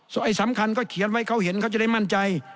ไอ้สำคัญก็เขียนไว้เขาเห็นเขาจะได้มั่นใจ